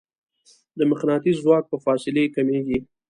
د مقناطیس ځواک په فاصلې کمېږي.